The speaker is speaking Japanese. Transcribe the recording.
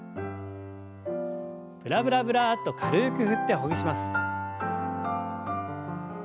ブラブラブラッと軽く振ってほぐします。